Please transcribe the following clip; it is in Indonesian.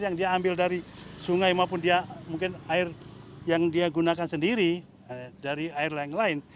yang dia ambil dari sungai maupun dia mungkin air yang dia gunakan sendiri dari air yang lain